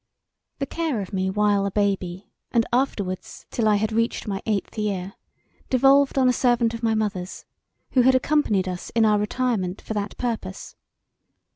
The care of me while a baby, and afterwards untill I had reached my eighth year devolved on a servant of my mother's, who had accompanied us in our retirement for that purpose.